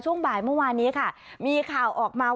ช่วงบ่ายเมื่อวานี้มีข่าวออกมาว่า